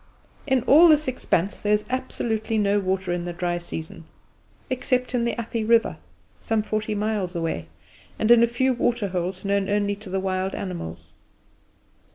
In all this expanse there is absolutely no water in the dry season, except in the Athi River (some forty miles away) and in a few water holes known only to the wild animals.